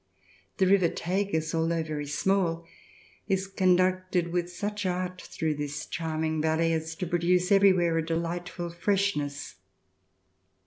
The River Tagus, although very small, is conducted with such art through this charming valley as to produce everywhere a delight ful freshness.